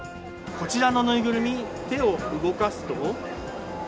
こちらの縫いぐるみ、手を動かすと。